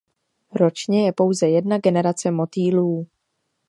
Ročně je pouze jedna generace motýlů.